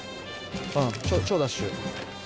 超ダッシュ。